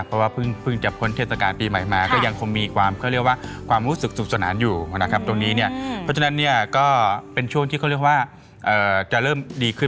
เพราะว่าเพิ่งจะพ้นเทศกาลปีใหม่มาก็ยังคงมีความเขาเรียกว่าความรู้สึกสุขสนานอยู่นะครับตรงนี้เนี่ยเพราะฉะนั้นเนี่ยก็เป็นช่วงที่เขาเรียกว่าจะเริ่มดีขึ้น